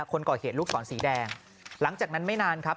คนก่อเหตุลูกศรสีแดงหลังจากนั้นไม่นานครับ